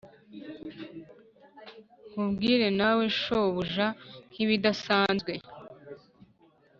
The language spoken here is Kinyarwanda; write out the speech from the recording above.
nkubwire nawe, shobuja, nkibidasanzwe